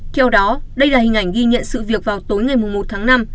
theo đó đây là hình ảnh ghi nhận sự việc vào tối ngày một tháng năm